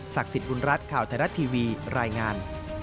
สิทธิ์บุญรัฐข่าวไทยรัฐทีวีรายงาน